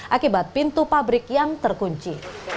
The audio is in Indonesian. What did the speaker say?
akibat pintu pabrik yang terkunci